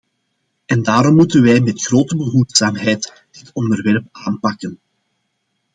En daarom moeten wij met grote behoedzaamheid dit onderwerp aanpakken.